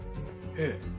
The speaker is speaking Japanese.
ええ。